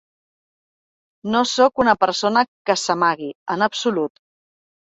No sóc una persona que s’amagui, en absolut.